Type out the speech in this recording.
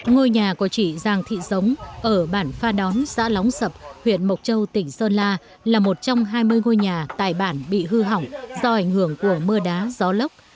ngôi nhà của chị giàng thị giống ở bản pha đón xã lóng sập huyện mộc châu tỉnh sơn la là một trong hai mươi ngôi nhà tại bản bị hư hỏng do ảnh hưởng của mưa đá gió lốc